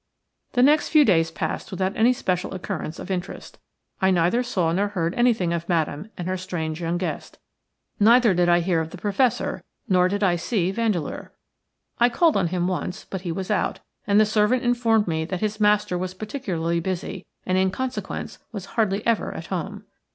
The next few days passed without any special occurrence of interest. I neither saw nor heard anything of Madame and her strange young guest, neither did I hear of the Professor nor did I see Vandeleur. I called on him once, but he was out, and the servant informed me that his master was particularly busy, and in consequence was hardly ever at home.